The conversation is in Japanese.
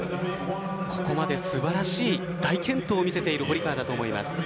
ここまで素晴らしい大健闘を見せている堀川だと思います。